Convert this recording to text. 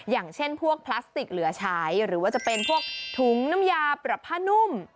อย่างเช่นพวกพลาสติกเหลือใช้หรือว่าจะเป็นพวกถุงน้ำยาปรับผ้านุ่ม